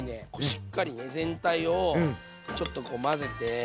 しっかりね全体をちょっとこう混ぜて。